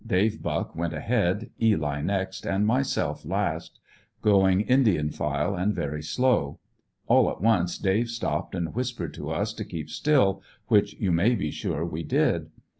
Dave Buck went ahead, Eli next and myself last, going Indian file and very slow. All at once Dave stopped and whispered to us to keep still, which you may be sure we did.